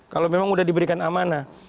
kalau memang sudah diberikan amanah